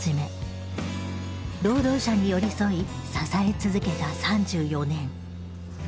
労働者に寄り添い支え続けた３４年。